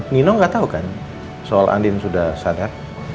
nino gak tau kan soal andin sudah sadar